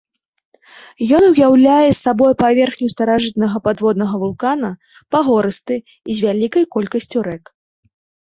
Ён уяўляе сабою паверхню старажытнага падводнага вулкана, пагорысты, з вялікай колькасцю рэк.